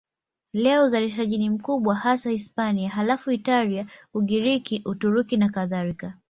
Leo uzalishaji ni mkubwa hasa Hispania, halafu Italia, Ugiriki, Uturuki nakadhalika.